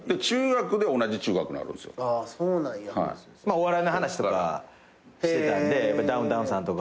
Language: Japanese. お笑いの話とかしてたんでダウンタウンさんとか。